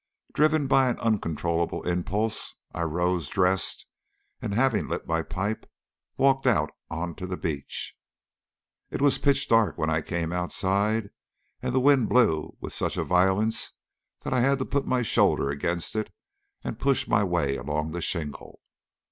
Driven by an uncontrollable impulse, I rose, dressed, and having lit my pipe, walked out on to the beach. It was pitch dark when I came outside, and the wind blew with such violence that I had to put my shoulder against it and push my way along the shingle.